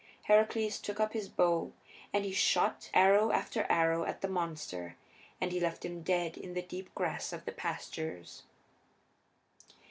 Heracles took up his bow and he shot arrow after arrow at the monster, and he left him dead in the deep grass of the pastures.